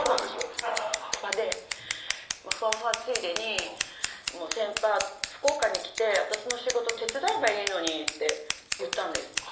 ふわふわでふわふわついでに「先輩福岡に来て私の仕事手伝えばいいのに」って言ったんです